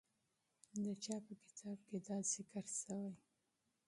د چا په کتاب کې دا ذکر سوی؟